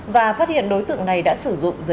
và phát hiện đối tượng này đã sử dụng